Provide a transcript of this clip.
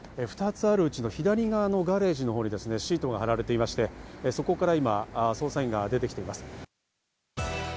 ２つあるうちの左側のガレージのほうにシートが張られてまして、そこから今、捜査員が出てきています。